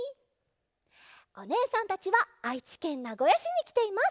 おねえさんたちはあいちけんなごやしにきています。